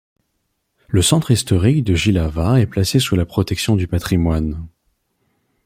Le centre historique de Jihlava est placé sous la protection du patrimoine.